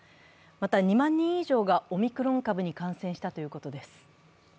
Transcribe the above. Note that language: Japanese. また、２万人以上がオミクロン株に感染したということです。